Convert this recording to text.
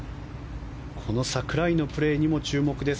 櫻井のプレーにも注目です。